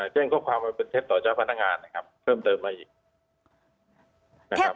แจ้งข้อความมันเป็นเท็จต่อเจ้าพนักงานนะครับเพิ่มเติมมาอีกนะครับ